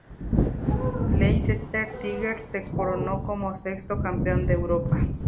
Leicester Tigers se coronó como sexto Campeón de Europa.